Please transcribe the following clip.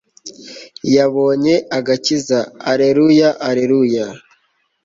yabonye agakiza, alleluya, alleluya